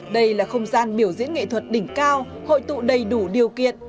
đây là không gian biểu diễn nghệ thuật đỉnh cao hội tụ đầy đủ điều kiện